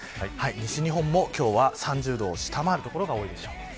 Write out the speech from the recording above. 西日本も今日は３０度を下回る所が多いでしょう。